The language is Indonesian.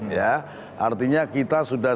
ya artinya kita sudah